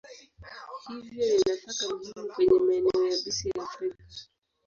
Hivyo ni nafaka muhimu kwenye maeneo yabisi ya Afrika.